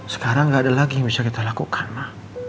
sekarang nggak ada lagi yang bisa kita lakukan lah